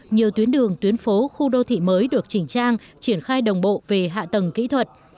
nhiều tuyến đường tuyến phố khu đô thị mới được chỉnh trang triển khai đồng bộ về hạ tầng kỹ thuật